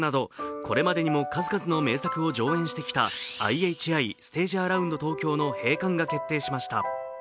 これまでにも数々の名作を上演してきたＩＨＩステージアラウンド東京の閉館が決定しました。